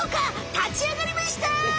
たちあがりました！